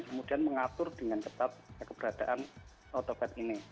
kemudian mengatur dengan tepat keberadaan otobat ini